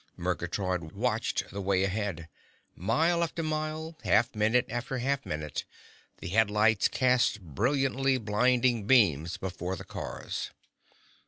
Murgatroyd watched the way ahead. Mile after mile, half minute after half minute, the headlights cast brilliantly blinding beams before the cars.